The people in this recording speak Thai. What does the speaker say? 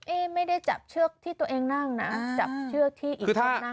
เอ๊ไม่ได้จับเชือกที่ตัวเองนั่งนะ